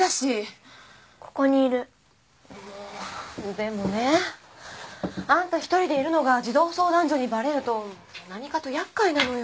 でもねあんた１人でいるのが児童相談所にバレると何かと厄介なのよ。